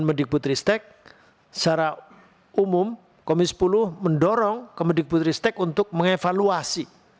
mendikbud ristek secara umum komis sepuluh mendorong ke mendikbud ristek untuk mengevaluasi